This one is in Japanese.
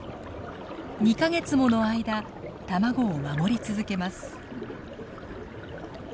２か月もの間卵を守り続けます。